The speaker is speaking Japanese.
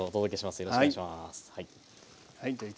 よろしくお願いします。